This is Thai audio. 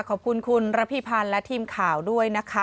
ขอบคุณคุณระพิพันธ์และทีมข่าวด้วยนะคะ